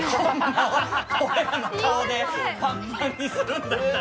俺らの顔でパンパンにするんだったら。